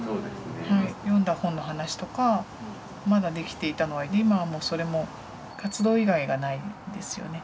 読んだ本の話とかまだできていたのが今はそれも活動以外がないですよね。